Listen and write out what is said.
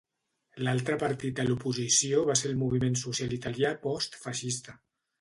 L'altre partit de l'oposició va ser el moviment social italià post-feixista.